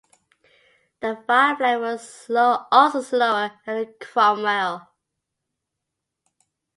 The Firefly was also slower than the Cromwell.